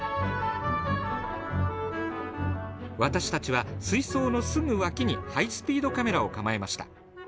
私たちは水槽のすぐ脇にハイスピードカメラを構えました。